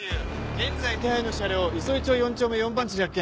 現在手配の車両磯江町４丁目４番地で発見。